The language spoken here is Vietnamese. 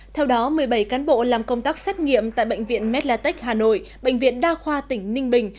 theo đó một mươi bảy cán bộ làm công tác xét nghiệm tại bệnh viện medlatech hà nội bệnh viện đa khoa tỉnh ninh bình